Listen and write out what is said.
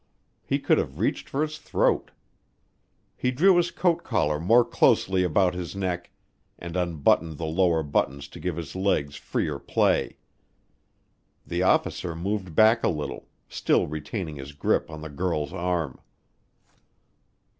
He could have reached for his throat. He drew his coat collar more closely about his neck and unbuttoned the lower buttons to give his legs freer play. The officer moved back a little, still retaining his grip on the girl's arm.